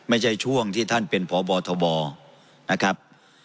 ไม่ใช่ช่วงที่ท่านเป็นพบทบนะครับ